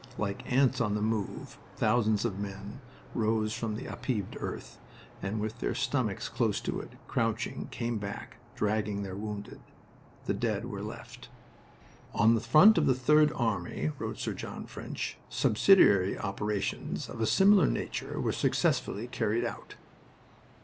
Like ants on the move, thousands of men rose from the upheaved earth, and with their stomachs close to it, crouching, came back, dragging their wounded. The dead were left. "On the front of the Third Army," wrote Sir John French, "subsidiary operations of a similar nature were successfully carried out."